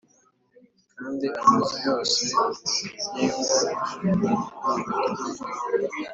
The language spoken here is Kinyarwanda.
Kandi amazu yose y ingo zo mu midugudu